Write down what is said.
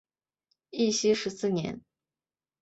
义熙十四年。